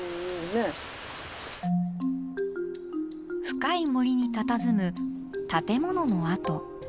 深い森にたたずむ建物の跡。